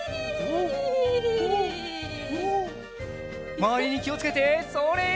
まわりにきをつけてそれ！